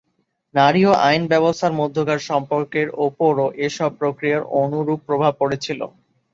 নারী ও আইনব্যবস্থার মধ্যকার সম্পর্কের ওপরও এসব প্রক্রিয়ার অনুরূপ প্রভাব পড়েছিল।